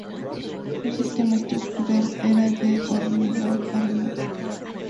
Su sistema estructural era de hormigón armado.